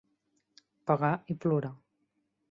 Pagar i plorar.